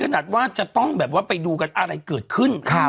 จนขนัดว่าจะต้องไปดูอะไรรู้เกิดขึ้น